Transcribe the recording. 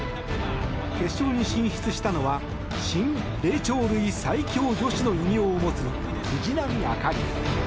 決勝に進出したのは新霊長類最強女子の異名を持つ藤波朱理。